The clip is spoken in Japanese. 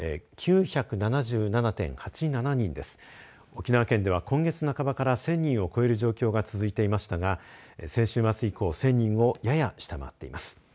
沖縄県では今月半ばから１０００人を超える状況が続いていましたが先週末以降、１０００人をやや下回っています。